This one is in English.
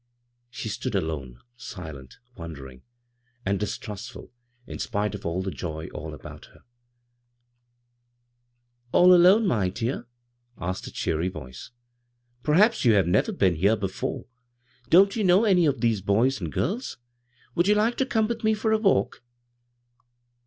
She stood alone, silent, wondering, and dis trustful, in spite of the joy all about her. 146 b, Google CROSS CURRENTS "Ai! alone, my dear?" asked a cheery voice. '" Perhaps you have never been here before. Don't you know any of these boys and girls ? Would you like to come with me for a walk